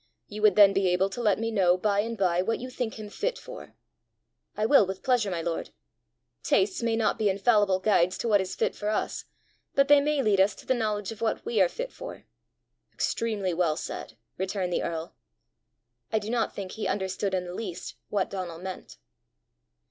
You would then be able to let me know by and by what you think him fit for!" "I will with pleasure, my lord. Tastes may not be infallible guides to what is fit for us, but they may lead us to the knowledge of what we are fit for." "Extremely well said!" returned the earl. I do not think he understood in the least what Donal meant.